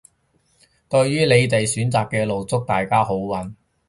對於你哋選擇嘅路，祝大家好運